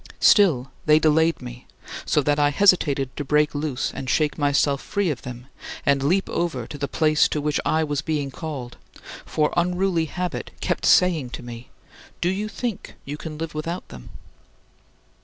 Still they delayed me, so that I hesitated to break loose and shake myself free of them and leap over to the place to which I was being called for unruly habit kept saying to me, "Do you think you can live without them?"